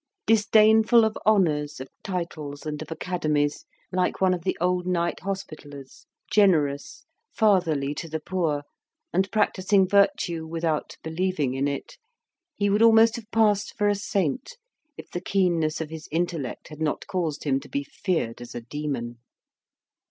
Disdainful of honours, of titles, and of academies, like one of the old Knight Hospitallers, generous, fatherly to the poor, and practising virtue without believing in it, he would almost have passed for a saint if the keenness of his intellect had not caused him to be feared as a demon.